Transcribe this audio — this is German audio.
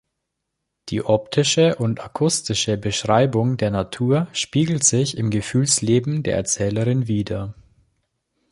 Die optische und akustische Beschreibung der Natur spiegelt sich im Gefühlsleben der Erzählerin wider.